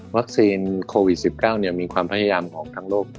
วัคซีนโควิด๑๙เนี่ยมีความพยายามของทั้งโลก